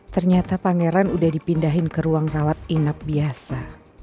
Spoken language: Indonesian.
ternyata pangeran sudah dipindahkan ke ruang rawat inap biasa